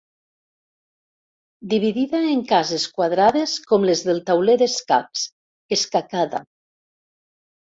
Dividida en cases quadrades com les del tauler d'escacs, escacada.